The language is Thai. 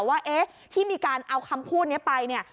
ว่าเอ๊ะที่มีการเอาคำพูดนี้ไปเนี่ย